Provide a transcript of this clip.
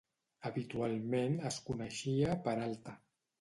Habitualment es coneixia per Alta.